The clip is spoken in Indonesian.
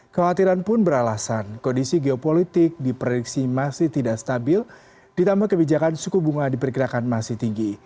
kekhawatiran pun beralasan kondisi geopolitik diprediksi masih tidak stabil ditambah kebijakan suku bunga diperkirakan masih tinggi